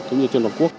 cũng như trên đồng quốc